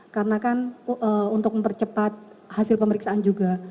karena kan untuk mempercepat hasil pemeriksaan juga